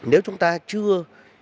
nếu chúng ta chưa